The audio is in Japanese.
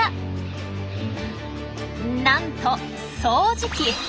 なんと掃除機！